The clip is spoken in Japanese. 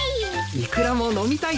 イクラも飲みたいか。